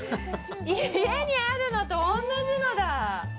家にあるのと同じのだ！